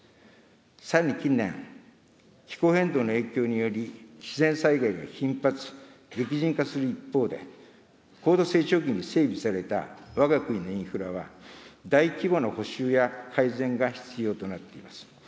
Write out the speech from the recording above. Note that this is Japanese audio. さらに近年、気候変動の影響により、自然災害が頻発、激甚化する一方で、高度成長期に整備されたわが国のインフラは、大規模な補修や改善が必要となっています。